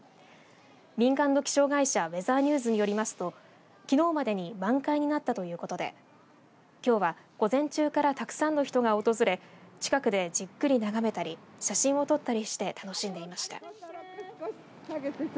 民間の気象会社ウェザーニューズによりますときのうまでに満開になったということできょうは午前中からたくさんの人が訪れ近くで、じっくり眺めたり写真を撮ったりして楽しんでいました。